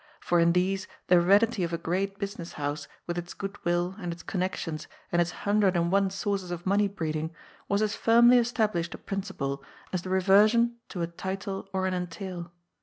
For in these the heredity of a great business house with its goodwill and its connections and its hundred and one sources of money breeding was as firmly established a principle as the reversion to a title or an entail.